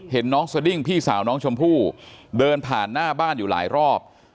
น้องสดิ้งพี่สาวน้องชมพู่เดินผ่านหน้าบ้านอยู่หลายรอบ